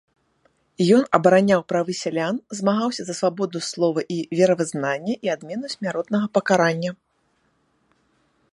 Ён абараняў правы сялян, змагаўся за свабоду слова і веравызнання і адмену смяротнага пакарання.